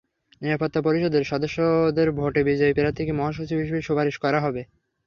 নিরাপত্তা পরিষদের সদস্যদের ভোটে বিজয়ী প্রার্থীকে মহাসচিব হিসেবে সুপারিশ করা হবে।